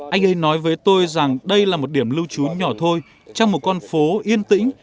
anh ấy nói với tôi rằng đây là một điểm lưu trú nhỏ thôi trong một con phố yên tĩnh